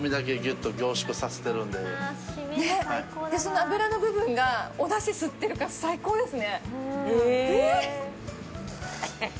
脂の部分がおだしを吸ってるから最高ですね。